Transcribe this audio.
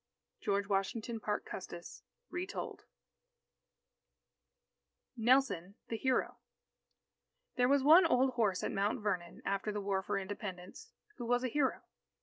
George Washington Parke Custis (Retold) NELSON THE HERO There was one old horse at Mount Vernon, after the War for Independence, who was a hero.